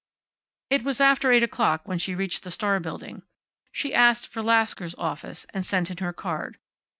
It was after eight o'clock when she reached the Star building. She asked for Lasker's office, and sent in her card.